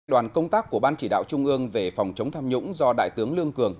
đoàn công tác của ban chỉ đạo trung ương về phòng chống tham nhũng do đại tướng lương cường